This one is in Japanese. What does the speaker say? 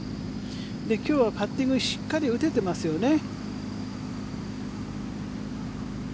今日はパッティングしっかり打ててますよね。